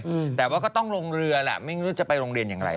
เอื้ออำนวยเลยแต่ว่าก็ต้องลงเรือล่ะไม่รู้จะไปโรงเรียนอย่างไรล่ะ